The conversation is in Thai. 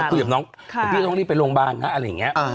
พี่ต้องรีบไปโรงบาลนะอะไรอย่างนี้